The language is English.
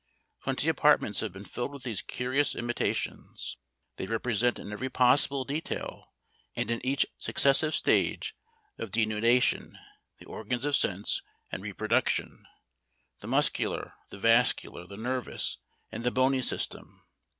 Twenty apartments have been filled with those curious imitations. They represent in every possible detail, and in each successive stage of denudation, the organs of sense and reproduction; the muscular, the vascular, the nervous, and the bony system.